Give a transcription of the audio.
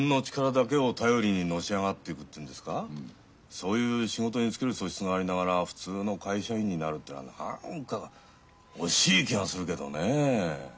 そういう仕事に就ける素質がありながら普通の会社員になるってのは何か惜しい気がするけどねえ。